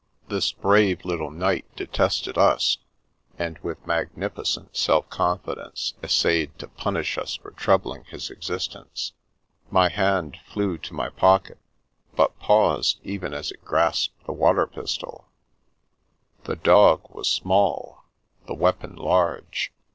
This brave little knight de tested us, and with magnificent self confidence es sayed to punish us for troubling his existence. My hand flew to my pocket, but paused, even as it grasped the water pistol The dog was small, the 48 The Princess Passes weapon large.